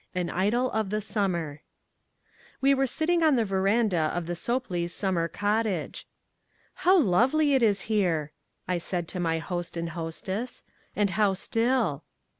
An Idyll of the Summer We were sitting on the verandah of the Sopley's summer cottage. "How lovely it is here," I said to my host and hostess, "and how still."